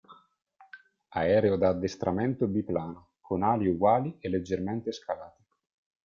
Aereo da addestramento biplano, con ali uguali e leggermente scalate.